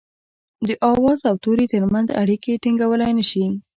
د آواز او توري ترمنځ اړيکي ټيڼګولای نه شي